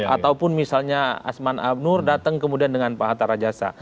ataupun misalnya asman abnur datang kemudian dengan pak hatta rajasa